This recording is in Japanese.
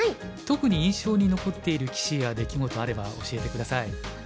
特に印象に残っている棋士や出来事あれば教えて下さい。